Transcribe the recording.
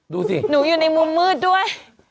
ดูสิหนูอยู่ในมุมมืดด้วย